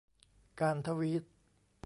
การทวีต